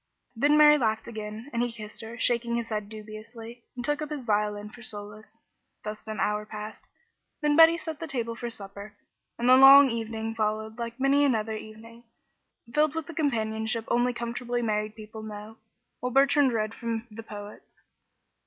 Then Mary laughed again, and he kissed her, shaking his head dubiously, and took up his violin for solace. Thus an hour passed; then Betty set the table for supper, and the long evening followed like many another evening, filled with the companionship only comfortably married people know, while Bertrand read from the poets.